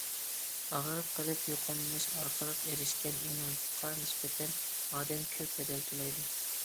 ئاغرىپ قېلىپ يۇقۇملىنىش ئارقىلىق ئېرىشكەن ئىممۇنىتېتقا نىسبەتەن ئادەم كۆپ بەدەل تۆلەيدۇ.